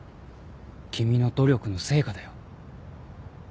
君の努力の成果だよ。